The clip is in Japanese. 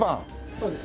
そうですね。